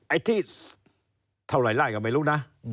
ไอ้ที่เท่าไหร่ไล่ก็ไม่รู้นะ